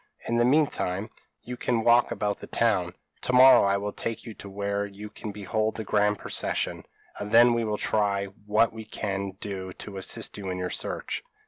In the mean time, you can walk about the town; to morrow I will take you to where you can behold the grand procession, and then we will try what we can do to assist you in your search."